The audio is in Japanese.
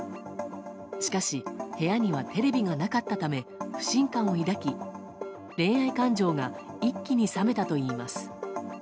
しかし、部屋にはテレビがなかったため不信感を抱き、恋愛感情が一気に冷めたといいます。